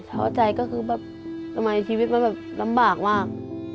ท้อใจก็คือแบบทำไมชีวิตมันแบบลำบากมาก